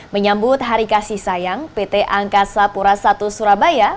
menyambut hari kasih sayang pt angkasa pura i surabaya